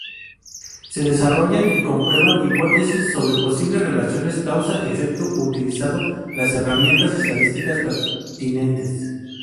Se desarrollan y comprueban hipótesis sobre posibles relaciones causa-efecto utilizando las herramientas estadísticas pertinentes.